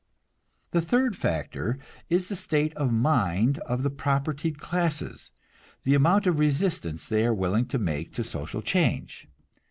The third factor is the state of mind of the propertied classes, the amount of resistance they are willing to make to social change.